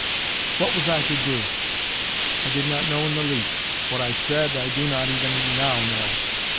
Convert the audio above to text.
What was I to do? I did not know in the least. What I said, I do not even now know.